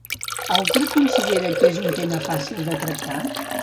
Oltra considera que és un tema fàcil de tractar?